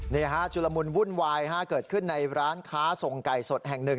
นี่ฮะชุลมุนวุ่นวายเกิดขึ้นในร้านค้าส่งไก่สดแห่งหนึ่ง